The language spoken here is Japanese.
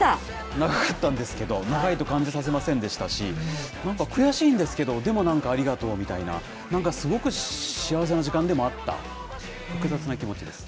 長かったんですけど、長いと感じさせませんでしたし、なんか悔しいんですけど、でもなんか、ありがとうみたいな、なんかすごく幸せな時間でもあった、複雑な気持ちです。